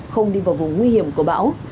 không đi vào vùng nguy hiểm của bão